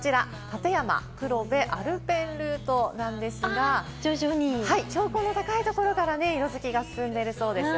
こちら立山黒部アルペンルートなんですが、標高の高いところから色づきが進んでいるそうです。